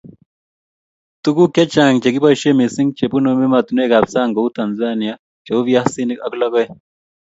Tuguk chechang che kiboisiei missing chebunu emotinwekab sang kou Tanzania cheu viasik ak logoek